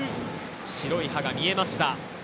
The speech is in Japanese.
白い歯が見えました。